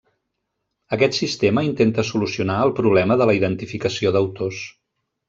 Aquest sistema intenta solucionar el problema de la identificació d'autors.